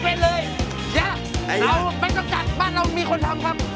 ไม่ต้องจัดบ้านเรามีคนทำครับ